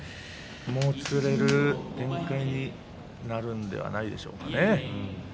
もつれる展開になるんではないでしょうかね。